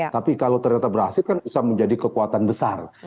tapi kalau ternyata berhasil kan bisa menjadi kekuatan besar